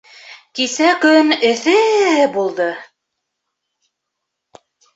Кисә көн эҫе булды.